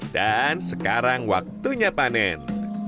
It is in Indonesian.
dan sekarang waktunya panen